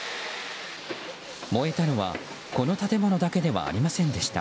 燃えたのは、この建物だけではありませんでした。